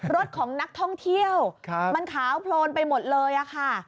รถของนักท่องเที่ยวมันขาวโพลนไปหมดเลยค่ะ